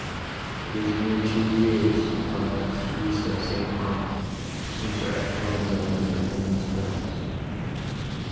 It is near two years, come next feast of St. Mark, since your Excellenza was within these walls."